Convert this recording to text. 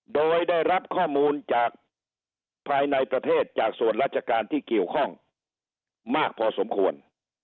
โดยได้รับข้อมูลจากภายในประเทศจากส่วนราชการที่เกี่ยวข้องมากพอสมควร